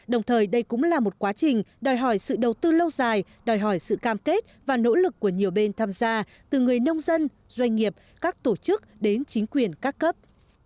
đồng thời đây cũng là một quá trình đòi hỏi sự đầu tư lâu dài đòi hỏi sự cam kết và nỗ lực của nhiều bên tham gia từ người nông dân doanh nghiệp các tổ chức đến chính quyền các cấp